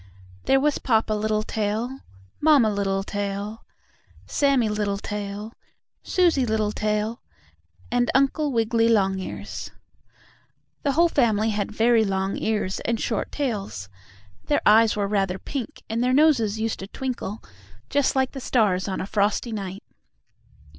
There was Papa Littletail, Mamma Littletail, Sammie Littletail, Susie Littletail and Uncle Wiggily Longears. The whole family had very long ears and short tails; their eyes were rather pink and their noses used to twinkle, just like the stars on a frosty night.